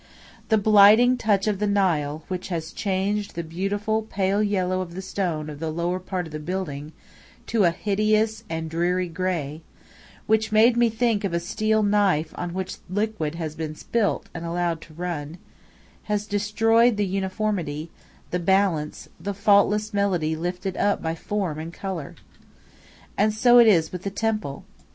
The blighting touch of the Nile, which has changed the beautiful pale yellow of the stone of the lower part of the building to a hideous and dreary grey which made me think of a steel knife on which liquid has been spilt and allowed to run has destroyed the uniformity, the balance, the faultless melody lifted up by form and color. And so it is with the temple.